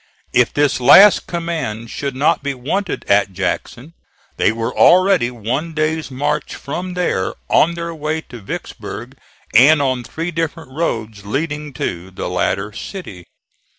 If this last command should not be wanted at Jackson, they were already one day's march from there on their way to Vicksburg and on three different roads leading to the latter city.